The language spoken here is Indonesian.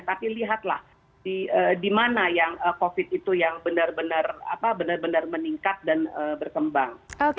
tapi lihatlah di mana yang covid itu yang benar benar meningkat dan berkembang